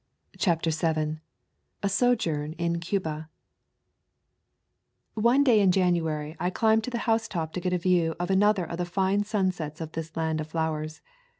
CHAPTER VII A SOJOURN IN CUBA NE day in January I climbed to the () housetop to get a view of another of the fine sunsets of this land of flowers.